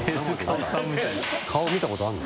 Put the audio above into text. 顔見たことあるの？